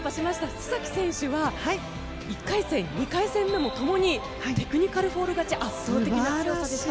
須崎選手は１回戦２回戦目もともにテクニカルフォール勝ち圧倒的な強さでした。